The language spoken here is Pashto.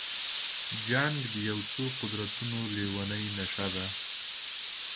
جنګ د یو څو قدرتونو لېونۍ نشه ده.